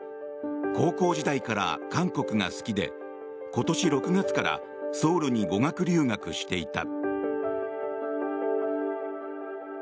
高校時代から韓国が好きで今年６月からソウルに語学留学していた。